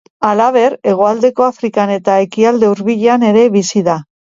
Halaber, hegoaldeko Afrikan eta Ekialde Hurbilean ere bizi da.